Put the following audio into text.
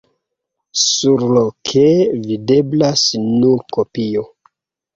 Surloke videblas nur kopio.